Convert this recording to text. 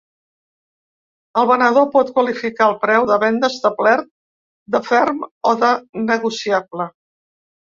El venedor pot qualificar el preu de venda establert de ferm o de negociable.